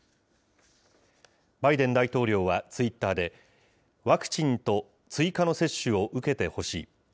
バイデン大統領はツイッターで、ワクチンと追加の接種を受けてほしい。